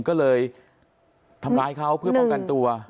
ก็เลยทำร้ายเขาเพื่อป้องกันตัว